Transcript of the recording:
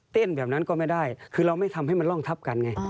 แบบนั้นก็ไม่ได้คือเราไม่ทำให้มันร่องทับกันไง